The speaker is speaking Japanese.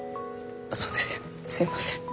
そうですよねすいません。